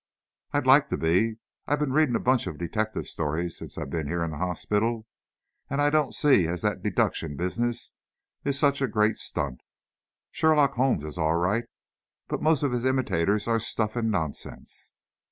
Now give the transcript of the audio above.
"I'd like to be. I've been reading a bunch of detective stories since I've been here in hospital, and I don't see as that deduction business is such a great stunt. Sherlock Holmes is all right, but most of his imitators are stuff and nonsense."